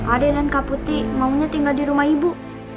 ade dan kak putih maunya tinggal di rumah ibu